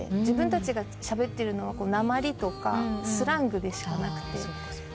自分たちがしゃべってるのはなまりとかスラングでしかなくて。